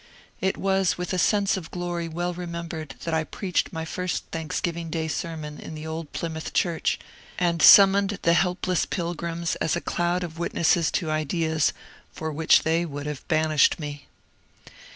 It was with a sense of glory well remembered that I preached my first Thanksgiving Day sermon in the old Plymouth church, and summoned the helpless Pilgrims as a cloud of witnesses to ideas for which they would have banished me.